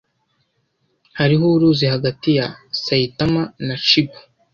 Hariho uruzi hagati ya Saitama na Chiba.